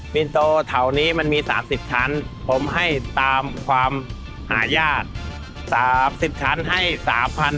มีมันมีสามสิบชั้นผมให้ตามความหายากสามสิบชั้นให้สามพัน